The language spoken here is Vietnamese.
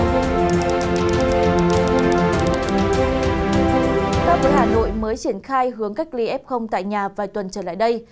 các quốc gia hà nội mới triển khai hướng cách ly f tại nhà vài tuần trở lại đây